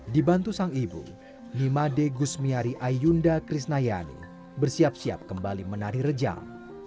dibantu sang ibu nimade gusmiari ayunda krisnayani bersiap siap kembali menari rejang